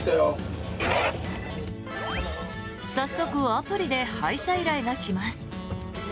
早速アプリで配車依頼が来ます。